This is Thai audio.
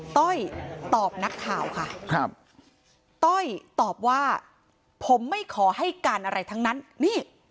ต้อยตอบนักข่าวค่ะครับต้อยตอบว่าผมไม่ขอให้การอะไรทั้งนั้นนี่